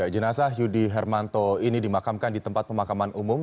jenazah yudi hermanto ini dimakamkan di tempat pemakaman umum